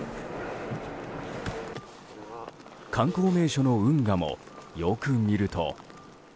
観光名所の運河もよく見ると。